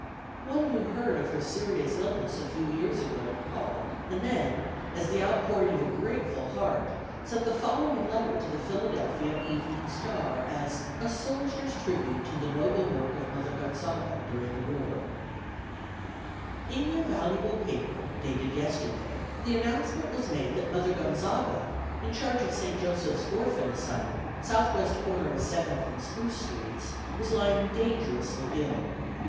One who heard of her serious illness a few years ago called, and then, as the outpouring of a grateful heart, sent the following letter to the Philadelphia Evening Star as "A soldier's tribute to the noble work of Mother Gonzaga during the war:" "In your valuable paper dated yesterday the announcement was made that Mother Gonzaga, in charge of St. Joseph's Orphan Asylum, southwest corner of Seventh and Spruce streets, was lying dangerously ill.